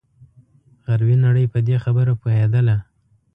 غربي نړۍ په دې خبره پوهېدله.